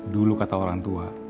dulu kata orang tua